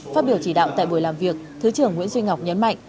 phát biểu chỉ đạo tại buổi làm việc thứ trưởng nguyễn duy ngọc nhấn mạnh